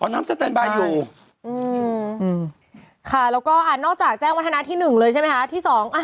อ๋อน้ำสเตนบายอยู่ค่ะแล้วก็นอกจากแจ้งวัฒนาที่๑เลยใช่ไหมคะที่๒